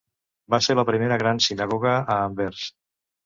Va ser la primera gran sinagoga a Anvers.